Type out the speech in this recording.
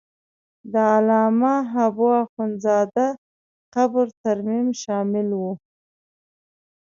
د علامه حبو اخند زاده قبر ترمیم شامل و.